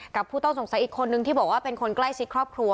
ผู้ต้องสงสัยอีกคนนึงที่บอกว่าเป็นคนใกล้ชิดครอบครัว